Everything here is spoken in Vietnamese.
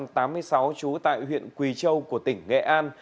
trú tại huyện quỳ châu của tỉnh nghệ an